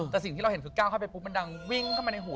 แต่สิ่งที่เราเห็นคือก้าวเข้าไปปุ๊บมันดังวิ่งเข้ามาในหัว